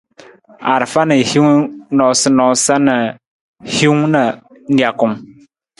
Arafa na hin noosanoosa na hiwung na nijakung.